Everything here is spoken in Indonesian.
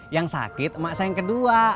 yang sakit emak saya yang kedua